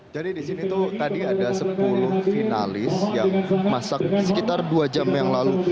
jadi disini tuh tadi ada sepuluh finalis yang masak sekitar dua jam yang lalu